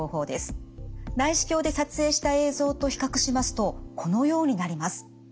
内視鏡で撮影した映像と比較しますとこのようになります。